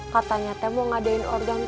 mak nyatanya mau ngadain organ tunggal